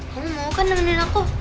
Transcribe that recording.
kamu mau kan nemenin aku